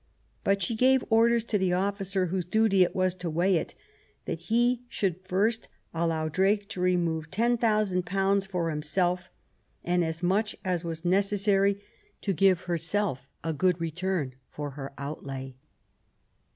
But she gave orders to the officer, whose duty it was to weigh it, that he should first allow Drake to remove ;f 10,000 for himself, and as much as was necessary to give herself a good return for her outlay.